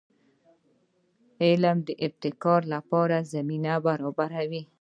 علم د ابتکار لپاره زمینه برابروي.